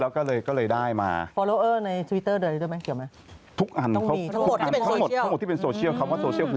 ก็ต้องหารายการเสิร์ชหาชื่อ